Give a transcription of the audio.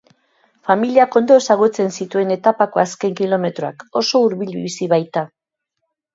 Familiak ondo ezagutzen zituen etapako azken kilometroak, oso hurbil bizi baita.